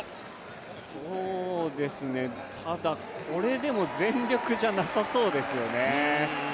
ただ、これでも全力じゃなさそうですよね。